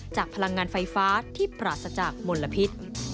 พลังงานไฟฟ้าที่ปราศจากมลพิษ